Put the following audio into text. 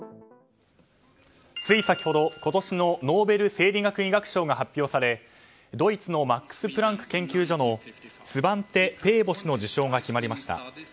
つい先ほど、今年のノーベル生理学・医学賞が発表されドイツのマックスプラン研究所のスバンテ・ペーボ氏が決まりました。